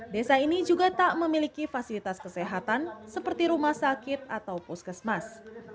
desa ini juga tak memiliki fasilitas kesehatan seperti rumah sakit atau puskesmas